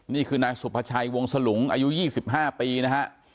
นี่คือนายสุภาชัยวงสลุงอายุ๒๕ปีนะฮะ